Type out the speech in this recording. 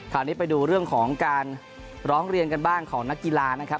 ไปดูเรื่องของการร้องเรียนกันบ้างของนักกีฬานะครับ